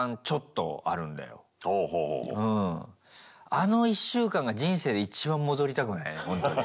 あの１週間が人生で一番戻りたくないほんとに。